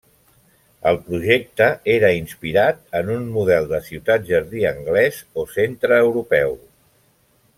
El projecte era inspirat en un model de ciutat jardí anglès o centreeuropeu.